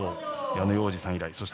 矢野洋二さん以来。